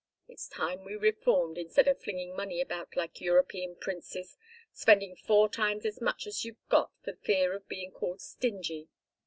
It's time we reformed instead of flinging money about like European princes spending four times as much as you've got for fear of being called stingy.